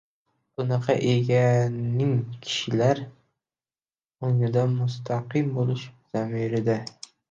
Bunaqa «ega»ning kishilar ongida mustaqim bo‘lishi zamirida